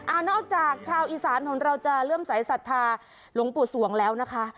อ่ะนอกจากชาวอีสานทนเราจะเริ่มสายสัตว์ทาหลวงปูทรวงแล้วนะคะ